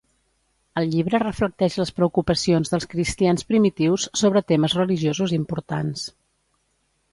El llibre reflecteix les preocupacions dels cristians primitius sobre temes religiosos importants.